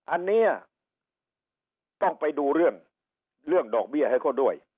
อันนี้ต้องไปดูเรื่องเรื่องดอกเบี้ยให้เขาด้วย